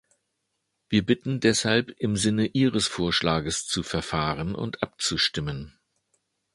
Wir bitten deshalb im Sinne Ihres Vorschlags zu verfahren und abzustimmen.